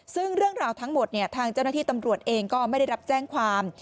ซึ่งเรื่องราวทั้งหมดทางเจ้าหน้าที่ตำรวจเองก็ไม่ได้รับแจ้งความ